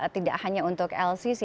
tidak hanya untuk lcc